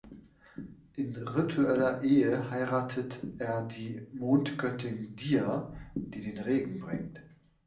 In ritueller Ehe heiratet er die Mondgöttin Dia, die den Regen bringt.